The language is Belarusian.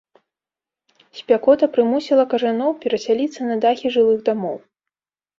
Спякота прымусіла кажаноў перасяліцца на дахі жылых дамоў.